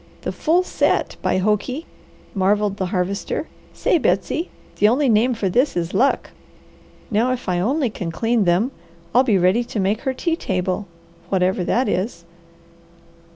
"The full set, by hokey!" marvelled the Harvester. "Say, Betsy, the only name for this is luck! Now if I only can clean them, I'll be ready to make her tea table, whatever that is.